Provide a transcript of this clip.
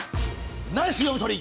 ナイス読み取り！